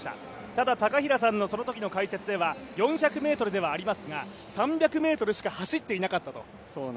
ただ高平さんのそのときの解説では４００ｍではありますが３００ｍしか走っていなかったと。